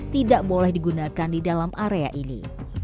tidak boleh digunakan di dalam area ini